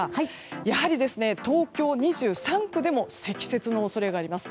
やはり東京２３区でも積雪の恐れがあります。